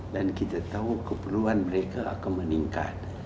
dan kita tahu keperluan mereka akan meningkat